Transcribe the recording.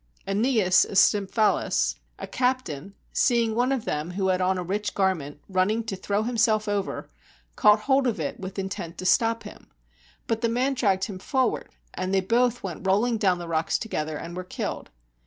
^neas of Stymphalus, a cap 173 GREECE tain, seeing one of them, who had on a rich garment, running to throw himself over, caught hold of it, with intent to stop him. But the man dragged him forward, and they both went rollmg down the rocks together, and were killed.